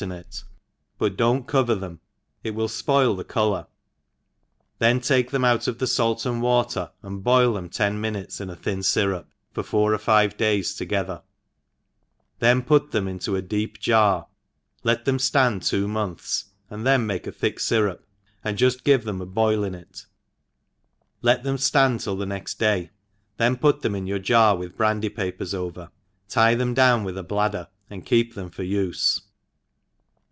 ia ir» buC do not cover them, it wiH fpoii the coloar, thea take them out of the ialt and vater, Mid boil them ten minutes in a thin fyrup for four oc five days^ together, then put thora lute a deep jar^ let ihem ftand twan)onths, and then maka a thick fyrup, and juft give them a baal.iacity kt them (land tilt the next day, then put thboi in your jar, with brandy papers aver;, tier tbein down with a bladder, and keep them for ufe.